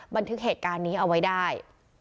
บันทึกเหตุการณ์นี้เอาไว้ได้